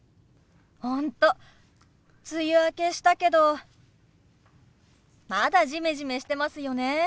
本当梅雨明けしたけどまだジメジメしてますよね。